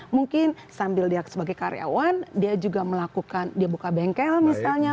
mungkin sambil dia sebagai karyawan dia juga melakukan dia buka bengkel misalnya